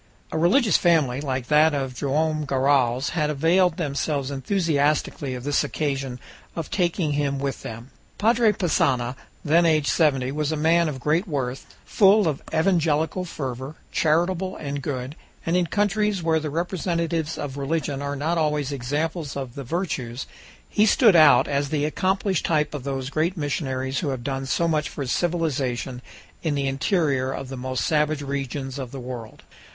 A religious family, like that of Joam Garral's, had availed themselves enthusiastically of this occasion of taking him with them. Padre Passanha, then aged seventy, was a man of great worth, full of evangelical fervor, charitable and good, and in countries where the representatives of religion are not always examples of the virtues, he stood out as the accomplished type of those great missionaries who have done so much for civilization in the interior of the most savage regions of the world.